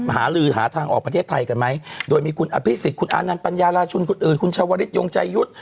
หาลือหาทางออกประเทศไทยกันไหมโดยมีคุณอภิษฎคุณอานันต์ปัญญาราชุนคนอื่นคุณชาวริสยงใจยุทธ์